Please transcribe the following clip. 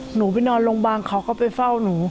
หนูไปนอนโรงพยาบาลเขาก็ไปเฝ้าหนู